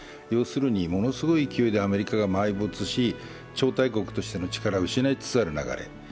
要するにものすごい勢いでアメリカが埋没し超大国としての力を失いつつある流れ。